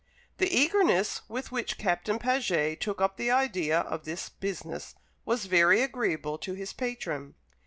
The eagerness with which Captain Paget took up the idea of this business was very agreeable to his patron.